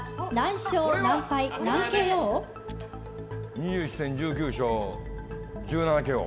２１戦１９勝１７ＫＯ。